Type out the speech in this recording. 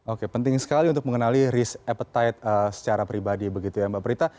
oke penting sekali untuk mengenali risk appetite secara pribadi begitu ya mbak prita